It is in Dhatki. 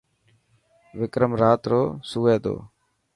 وڪرم رات رو سوي ٿو.